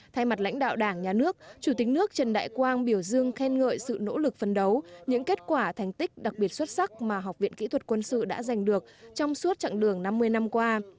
thay mặt lãnh đạo đảng nhà nước chủ tịch nước trần đại quang biểu dương khen ngợi sự nỗ lực phân đấu những kết quả thành tích đặc biệt xuất sắc mà học viện kỹ thuật quân sự đã giành được trong suốt chặng đường năm mươi năm qua